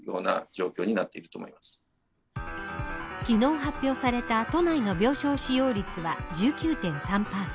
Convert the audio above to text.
昨日発表された都内の病床使用率は１９．３％。